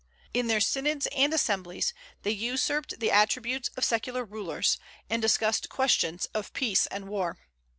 _ In their synods and assemblies they usurped the attributes of secular rulers, and discussed questions of peace and war.